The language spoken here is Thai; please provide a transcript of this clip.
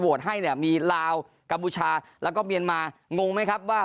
ให้เนี่ยมีลาวกัมพูชาแล้วก็เมียนมางงไหมครับว่า